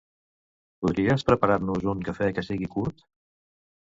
Podries preparar-nos un cafè que sigui curt?